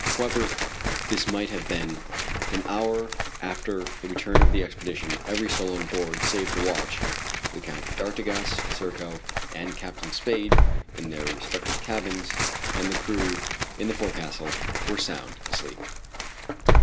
However this might have been, an hour after the return of the expedition, every soul on board save the watch the Count d'Artigas, Serko, and Captain Spade in their respective cabins, and the crew in the fore castle, were sound asleep.